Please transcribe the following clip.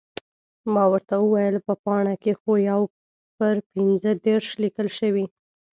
ما ورته وویل، په پاڼه کې خو یو پر پنځه دېرش لیکل شوي.